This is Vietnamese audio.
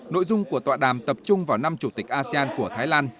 nội dung của tọa đàm tập trung vào năm chủ tịch asean của thái lan